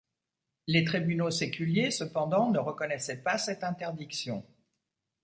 Les tribunaux séculiers, cependant, ne reconnaissaient pas cette interdiction.